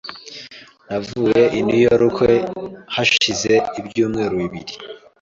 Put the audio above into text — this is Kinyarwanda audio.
Navuye i New York hashize ibyumweru bibiri .